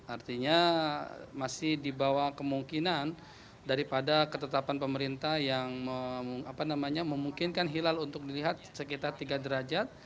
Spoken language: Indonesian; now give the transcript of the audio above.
artinya masih dibawa kemungkinan daripada ketetapan pemerintah yang memungkinkan hilal untuk dilihat sekitar tiga derajat